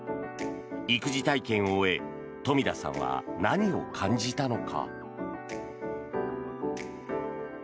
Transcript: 育児体験を終え富田さんは何を感じたのか。